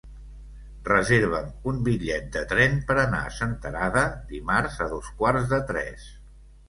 Reserva'm un bitllet de tren per anar a Senterada dimarts a dos quarts de tres.